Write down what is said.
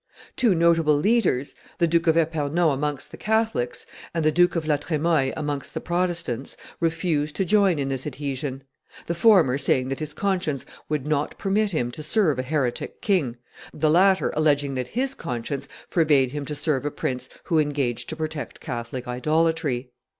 Two notable leaders, the Duke of Epernon amongst the Catholics, and the Duke of La Tremoille amongst the Protestants, refused to join in this adhesion; the former saying that his conscience would not permit him to serve a heretic king, the latter alleging that his conscience forbade him to serve a prince who engaged to protect Catholic idolatry.